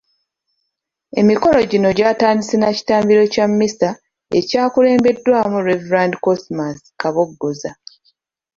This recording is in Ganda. Emikolo gino gyatandise na kitambiro kya mmisa ekyakulembeddwamu Rev.Cosmas Kaboggoza.